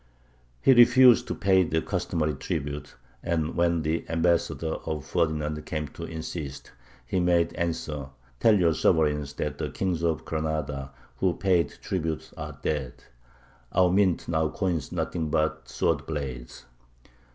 He refused to pay the customary tribute, and when the ambassador of Ferdinand came to insist, he made answer: "Tell your sovereigns that the kings of Granada who paid tribute are dead: our mint now coins nothing but sword blades!"